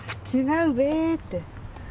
「違うべ」って。